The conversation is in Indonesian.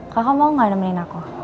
kakak mau gak nemenin aku